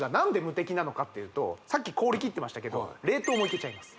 さっき氷切ってましたけど冷凍もいけちゃいます